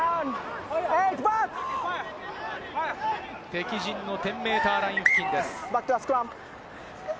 敵陣の１０ｍライン付近です。